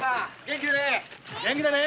元気でね。